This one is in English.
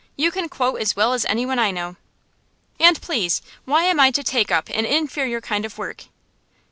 You can quote as well as anyone I know.' 'And please, why am I to take up an inferior kind of work?